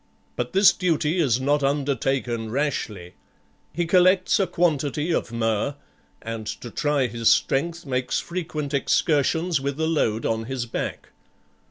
But this duty is not undertaken rashly. He collects a quantity of myrrh, and to try his strength makes frequent excursions with a load on his back.